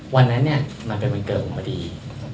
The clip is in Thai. วันนั้นเนี่ยมันเป็นวันเกิดผมพอดี